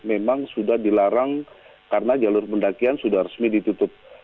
memang sudah dilarang karena jalur pendakian sudah resmi ditutup